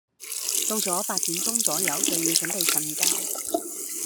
到左八點鐘左右就要準備瞓覺